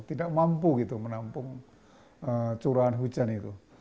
tidak mampu gitu menampung curahan hujan itu